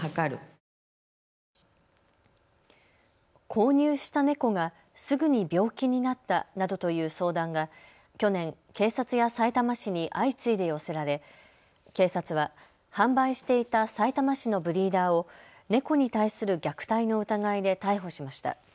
購入した猫がすぐに病気になったなどという相談が去年、警察やさいたま市に相次いで寄せられ警察は販売していたさいたま市のブリーダーを猫に対する虐待の疑いで逮捕しました。